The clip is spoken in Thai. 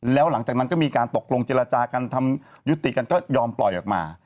แล้วหลังจากนั้นก็มีการตกลงเจรจากันทำยุติกันก็ยอมปล่อยออกมา